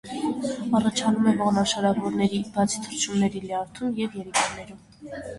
Առաջանում է ողնաշարավորների (բացի թռչունների) լյարդում և երիկամներում։